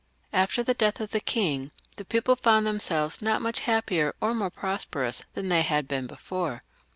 After the death of the king the people found themselves not much happier or more prosperous than they had been before.